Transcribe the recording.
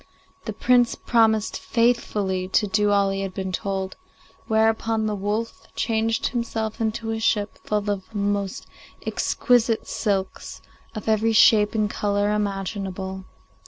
The Prince promised faithfully to do all he had been told, whereupon the wolf changed himself into a ship full of most exquisite silks, of every shade and colour imaginable.